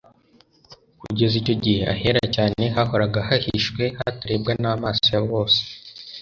Kugeza icyo gihe ahera cyane, hahoraga hahishwe hatarebwa n'amaso ya bose;